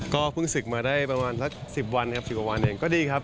ก็เพิ่งศึกมาได้ประมาณละ๑๐วันก็ดีครับ